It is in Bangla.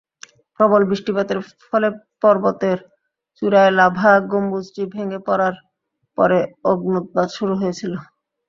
প্রবল বৃষ্টিপাতের ফলে পর্বতের চূড়ায় লাভা গম্বুজটি ভেঙে পড়ার পরে অগ্ন্যুৎপাত শুরু হয়েছিল।